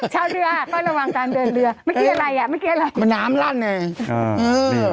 ชาวเรือก็ระวังการเดินเรือเป็นแปไหมเป็นแปไหม